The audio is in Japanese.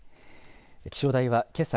気象台はけさ